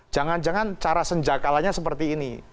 jangan jangan cara senjakalanya seperti ini